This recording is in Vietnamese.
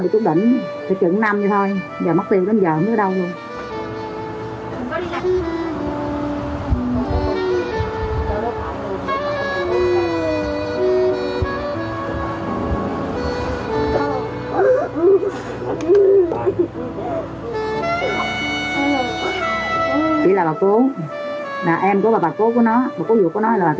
thì bà cố bỏ con